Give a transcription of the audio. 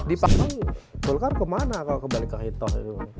di panggung volcar kemana kalau kebalik ke hitoh itu